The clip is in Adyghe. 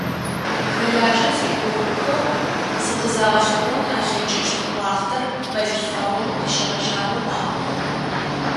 Хэлажьэ зышӏоигъохэм зыкъызагъэлъэгъон алъэкӏыщт уахътэр мэлылъфэгъум къыщегъэжьагъэу макӏо.